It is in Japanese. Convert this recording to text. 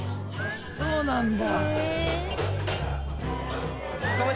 そうなんだ。